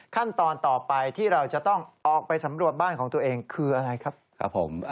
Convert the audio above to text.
ขั้นตอนต่อไปที่เราจะต้องออกไปสำรวจบ้านของตัวเองคืออะไรครับครับผม